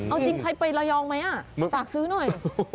เอาจริงใครไประยองไหมฝากซื้อหน่อย